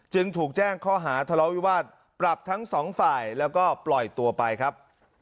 จึงถูกแจ้งข้อหาทะเลาวิวาสปรับทั้งสองฝ่ายแล้วก็ปล่อยตัวไปครับ